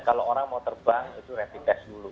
kalau orang mau terbang itu retik tes dulu